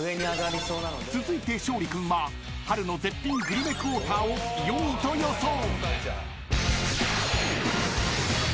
［続いて勝利君は春の絶品グルメクォーターを４位と予想］